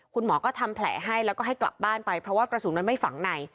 คุณหมอก็ทำแผลให้แล้วก็ให้กลับบ้านไปเพราะว่ากระสุนมันไม่ฝังใน